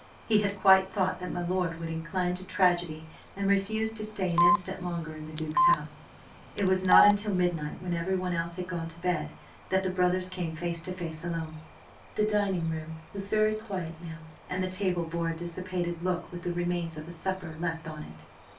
He had quite thought that my lord would incline to tragedy and refuse to stay an instant longer in the Duke's house. It was not until midnight, when everyone else had gone to bed, that the brothers came face to face, alone. The dining room was very quiet now, and the table bore a dissipated look with the remains of supper left on it.